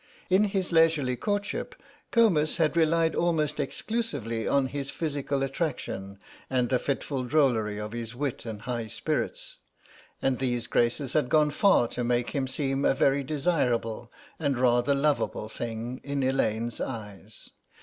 In his leisurely courtship Comus had relied almost exclusively on his physical attraction and the fitful drollery of his wit and high spirits, and these graces had gone far to make him seem a very desirable and rather lovable thing in Elaine's eyes.